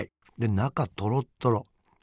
中トロトロ。